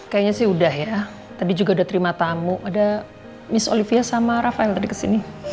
kayaknya sih udah ya tadi juga udah terima tamu ada miss olivia sama rafael tadi kesini